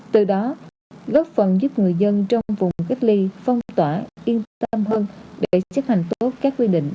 từ đó góp phần giúp người dân trong vùng cách ly phong tỏa yên tâm hơn để chấp hành tốt các quy định